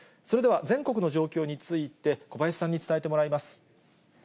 それでは、全国の状況について、小林さんに伝えてもらいます。